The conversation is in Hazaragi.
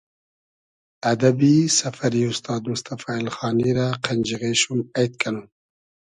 ادئبی سئفئری اوستاد موستئفا اېلخانی رۂ قئنجیغې شوم اݷد کئنوم